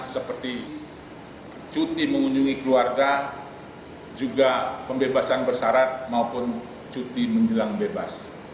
seperti cuti mengunjungi keluarga juga pembebasan bersarat maupun cuti menjelang bebas